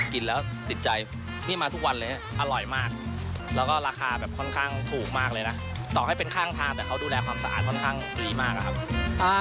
กินแล้วติดใจนี่มาทุกวันเลยอร่อยมากแล้วก็ราคาแบบค่อนข้างถูกมากเลยนะต่อให้เป็นข้างทางแต่เขาดูแลความสะอาดค่อนข้างดีมากอะครับ